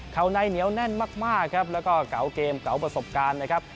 เขาในเหนียวแน่นมากครับแล้วก็เก๋าเกมเกาประสบการณ์นะครับ